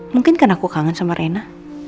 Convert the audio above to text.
mungkin kan aku kangen sama rina